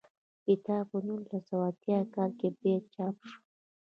کتاب په نولس سوه اتیا کال کې بیا چاپ شو.